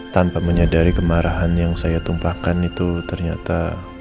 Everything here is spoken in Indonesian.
tanpa menyadari kemarahan yang saya tumpahkan itu ternyata